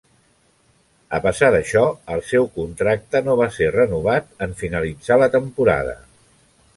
A pesar d'això, el seu contracte no va ser renovat en finalitzar la temporada.